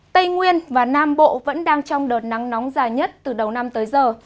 tây nguyên và nam bộ vẫn đang trong đợt nắng nóng dài nhất từ đầu năm tới giờ